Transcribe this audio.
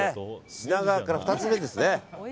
品川から２つ目ですね。